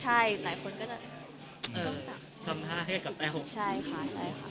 จริงอุ้ววใกล้ค่ะ